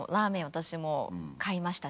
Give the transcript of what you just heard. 私も買いましたし。